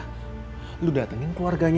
kamu harus datang ke keluarga kamu